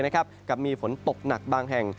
กับมีฝนตกหนักบางแห่ง